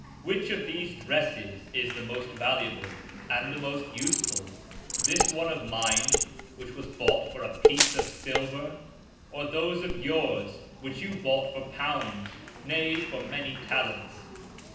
which of these dresses is the most valuable and the most useful, this one of mine which was bought for a piece of silver, or those of yours which you bought for pounds, nay for many talents